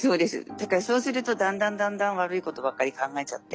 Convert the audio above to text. だからそうするとだんだんだんだん悪いことばっかり考えちゃって。